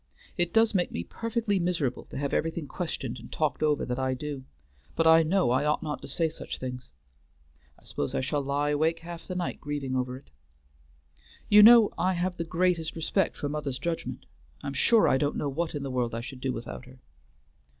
It does make me perfectly miserable to have everything questioned and talked over that I do; but I know I ought not to say such things. I suppose I shall lie awake half the night grieving over it. You know I have the greatest respect for mother's judgment; I'm sure I don't know what in the world I should do without her."